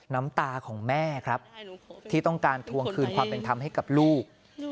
น้ำตาของแม่ครับที่ต้องการทวงคืนความเป็นธรรมให้กับลูก